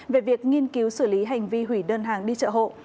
về việc nghiên cứu xử lý hành vi hủy đơn hàng đi chợ hộ